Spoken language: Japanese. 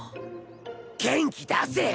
元気出せよ！